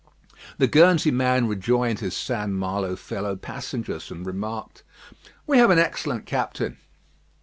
The Guernsey man rejoined his St. Malo fellow passengers, and remarked: "We have an excellent captain."